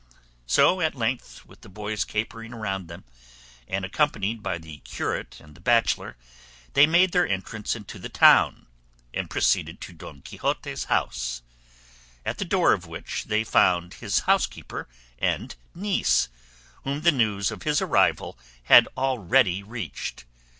So at length, with the boys capering round them, and accompanied by the curate and the bachelor, they made their entrance into the town, and proceeded to Don Quixote's house, at the door of which they found his housekeeper and niece, whom the news of his arrival had already reached.